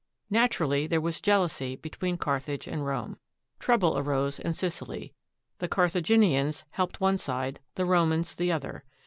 Natu rally, there was jealousy between Carthage and Rome. Trouble arose in Sicily. The Carthaginians helped one side, the Romans the other.